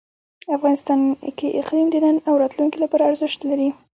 افغانستان کې اقلیم د نن او راتلونکي لپاره ارزښت لري.